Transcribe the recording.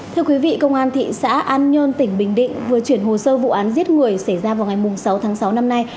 thưa quý vị công an thị xã an nhơn tỉnh bình định vừa chuyển hồ sơ vụ án giết người xảy ra vào ngày sáu tháng sáu năm nay